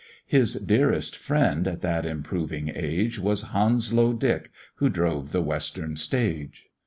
His dearest friend, at that improving age, Was Hounslow Dick, who drove the western stage.